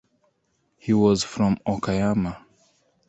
He was from Okayama.